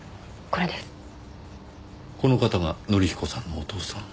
この方が則彦さんのお父さん？